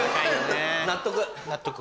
納得。